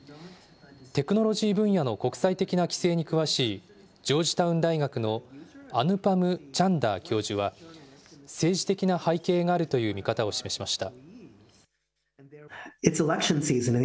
テクノロジー分野の国際的な規制に詳しい、ジョージタウン大学のアヌパム・チャンダー教授は、政治的な背景があるという見方を示しました。